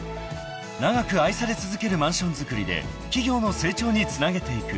［長く愛され続けるマンションづくりで企業の成長につなげていく］